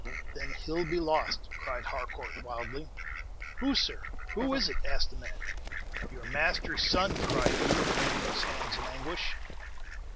"Then he 'll be lost!" cried Harcourt, wildly. "Who, sir, who is it?" asked the man. "Your master's son!" cried he, wringing his hands in anguish.